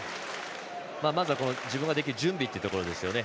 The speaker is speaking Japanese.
まずは、自分ができる準備というところですね。